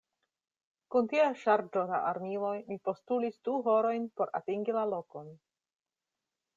Kun tia ŝarĝo da armiloj mi postulis du horojn por atingi la lokon.